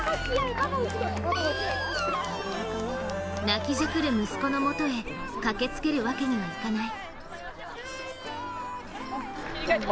泣きじゃくる息子のもとへ駆けつけるわけにはいかない。